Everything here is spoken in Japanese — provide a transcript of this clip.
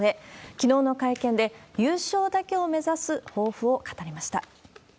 きのうの会見で優勝だけを目指す抱負を語りました。